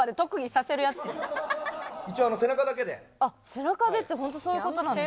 「背中で」って本当そういう事なんですね。